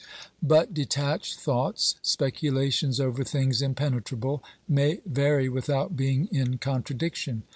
But detached thoughts, specu lations over things impenetrable, may vary without being in contradiction.